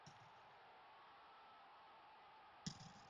هېچا ورته د عصري او دیني نوم نه ؤ ورکړی.